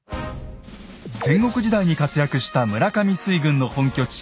戦国時代に活躍した村上水軍の本拠地